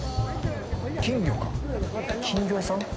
金魚か金魚屋さん？